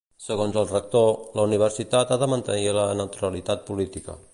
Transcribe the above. Segons el rector, la universitat ha de mantenir la neutralitat política.